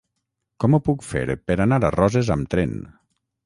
Com ho puc fer per anar a Roses amb tren?